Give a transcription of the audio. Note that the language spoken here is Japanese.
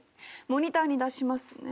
モニターに出しますね。